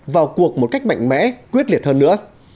vào cuộc một cách mạnh mẽ quyết liệt hơn nữa